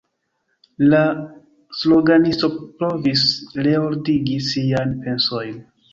La sloganisto provis reordigi siajn pensojn.